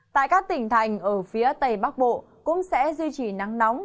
tại các tỉnh thành ở phía tây bắc bộ cũng sẽ duy trì nắng nóng